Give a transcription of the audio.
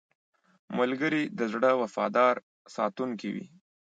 ملګری د زړه وفادار ساتونکی وي